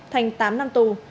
thành tám năm tù